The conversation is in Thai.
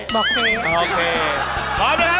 บอกเจ๊